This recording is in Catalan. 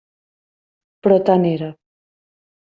Però tant era.